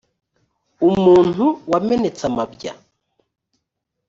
umuntu wamenetse amabya,